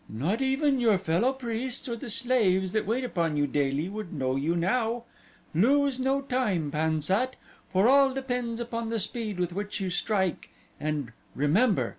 "Not even your fellow priests or the slaves that wait upon you daily would know you now. Lose no time, Pan sat, for all depends upon the speed with which you strike and remember!